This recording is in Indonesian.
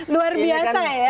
luar biasa ya